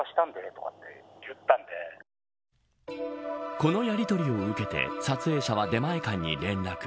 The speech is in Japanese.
このやりとりを受けて撮影者は出前館に連絡。